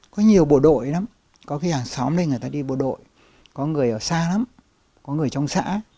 có nhiều bộ đội lắm có cái hàng xóm đây người ta đi bộ đội có người ở xa lắm có người trong xã